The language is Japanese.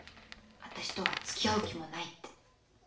私とはつきあう気もないって。